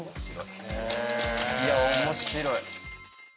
いや面白い。